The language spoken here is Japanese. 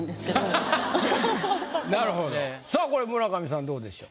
さあこれ村上さんどうでしょう？